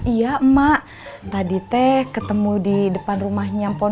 iya emak tadi teh ketemu di depan rumahnya